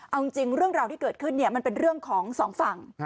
เอาจริงเรื่องราวที่เกิดขึ้นมันเป็นเรื่องของสองฝั่ง